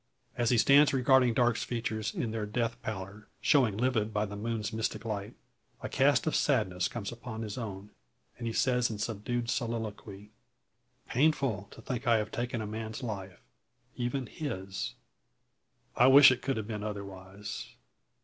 As he stands regarding Darke's features, in their death pallor showing livid by the moon's mystic light, a cast of sadness comes over his own, and he says in subdued soliloquy: "Painful to think I have taken a man's life even his! I wish it could have been otherwise.